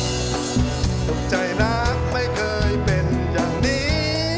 สุขใจรักไม่เคยเป็นอย่างนี้